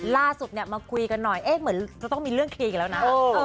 ล่าสุดเนี่ยมาคุยกันหน่อยเอ๊ะเหมือนจะต้องมีเรื่องเคลียร์กันแล้วนะ